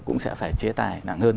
cũng sẽ phải chế tài nặng hơn